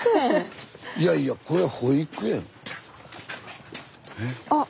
いやいやこれ保育園？えっ？あっ。